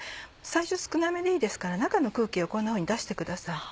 最初少なめでいいですから中の空気をこんなふうに出してください。